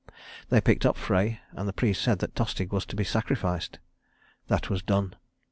They picked up Frey; and the priests said that Tostig was to be sacrificed. That was done.